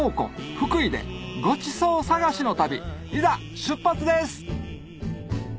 福井でごちそう探しの旅いざ出発です！